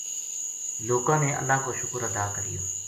لوکاں نے اللہ کو شکر ادا کریو